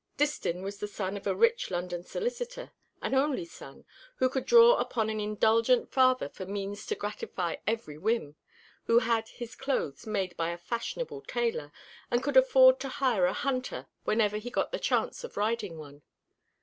Distin was the son of a rich London solicitor an only son, who could draw upon an indulgent father for means to gratify every whim, who had his clothes made by a fashionable tailor, and could afford to hire a hunter whenever he got the chance of riding one.